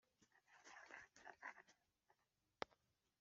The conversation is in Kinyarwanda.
- imibare: kubara ingombajwi zizwe ziri mu magambo,